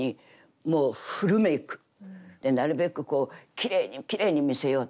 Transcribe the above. なるべくこうきれいにきれいに見せよう。